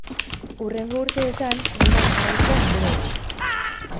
Hurrengo urteetan lehian jarraitzea espero dut.